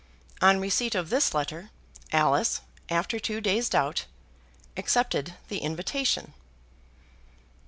On receipt of this letter, Alice, after two days' doubt, accepted the invitation.